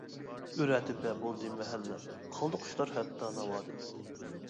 ئۆرە تۆپە بولدى مەھەللە قالدى قۇشلار ھەتتا ناۋادىن.